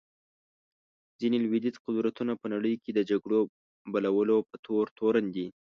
ځینې لوېدیځ قدرتونه په نړۍ کې د جګړو بلولو په تور تورن دي.